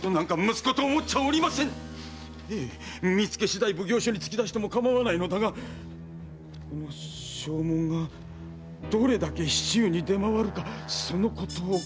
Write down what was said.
見つけしだい奉行所に突き出してもかまわないのだがこの証文がどれだけ市中に出回るかそのことを思うと。